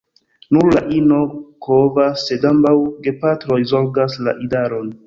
Nur la ino kovas, sed ambaŭ gepatroj zorgas la idaron.